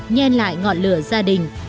nhen lại ngọn lửa gia đình